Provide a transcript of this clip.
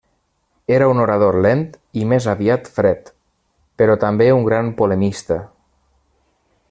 Era un orador lent i més aviat fred, però també un gran polemista.